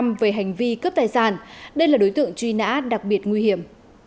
trong hành vi cướp tài sản đây là đối tượng truy nã đặc biệt nguy hiểm